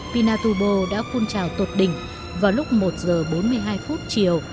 pinatubo đã phun trào tột đỉnh vào lúc một giờ bốn mươi hai phút chiều